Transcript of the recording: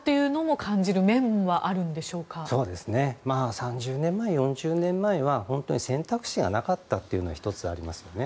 ３０年前、４０年前は本当に選択肢がなかったのが１つありますね。